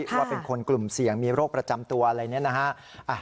ว่าเป็นคนกลุ่มเสี่ยงมีโรคประจำตัวอะไรเนี่ยนะฮะ